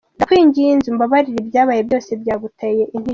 Ndakwinginze umbabarire ibyabaye byose byaguteye intimba.